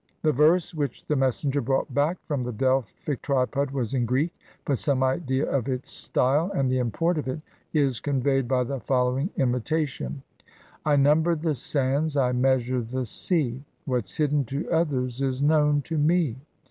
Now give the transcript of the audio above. The verse which the messenger brought back from the Delphic tripod was in Greek; but some idea of its style, and the import of it, is conveyed by the following imita tion :— "I number the sands, I measure the sea, What 's hidden to others is known to me.